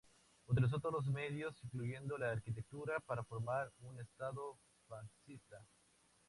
Utilizó todos los medios incluyendo la arquitectura para formar un estado fascista.